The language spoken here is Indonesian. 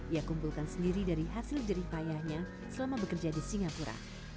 ia kumpulkan sendiri dari hasil jering payahnya selama bekerja di singapura